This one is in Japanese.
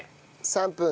３分。